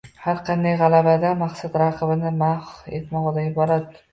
har qanday g‘alabadan maqsad raqibni mahv etmoqdan iborat;